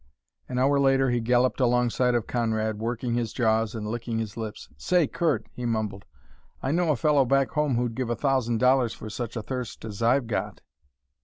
An hour later he galloped alongside of Conrad, working his jaws and licking his lips. "Say, Curt," he mumbled, "I know a fellow back home who'd give a thousand dollars for such a thirst as I've got!"